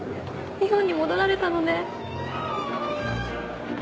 日本に戻られたのね。